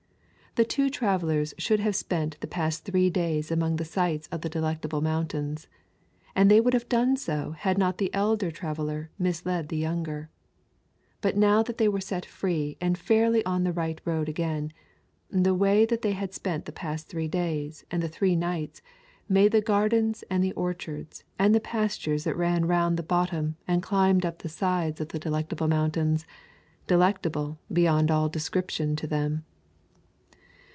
The two travellers should have spent the past three days among the sights of the Delectable Mountains; and they would have done so had not the elder traveller misled the younger. But now that they were set free and fairly on the right road again, the way they had spent the past three days and three nights made the gardens and the orchards and the pastures that ran round the bottom and climbed up the sides of the Delectable Mountains delectable beyond all description to them.